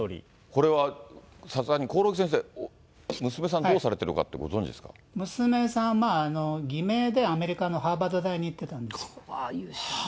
これはさすがに興梠先生、娘さんどうされてるかって、ご存じ娘さんね、偽名でアメリカのハーバード大に行ってたんですよ。